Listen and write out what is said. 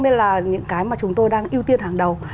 nên là những cái mà chúng tôi đang ưu tiên hàng đầu